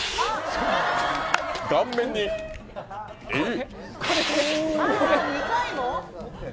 顔面にええ？